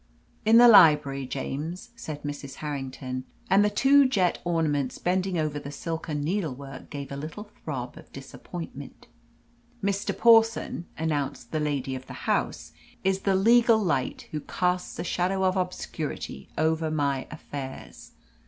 "In the library, James," said Mrs. Harrington and the two jet ornaments bending over the silken needlework gave a little throb of disappointment. "Mr. Pawson," announced the lady of the house, "is the legal light who casts a shadow of obscurity over my affairs."